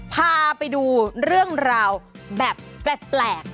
พาไปดูเรื่องราวแบบแปลก